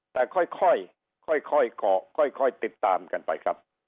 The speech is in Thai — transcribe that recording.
แต่ค่อยก่อค่อยติดตามกันไปครับ